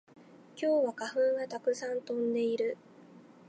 今日は花粉がたくさん飛んでいる